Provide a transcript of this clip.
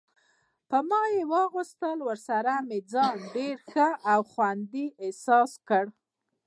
په ما یې واغوستل، ورسره مې ځان ډېر ښه او خوندي احساس کړ.